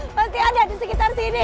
pasti ada disekitar sini